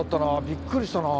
びっくりしたな。